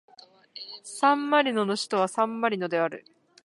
サンマリノの首都はサンマリノである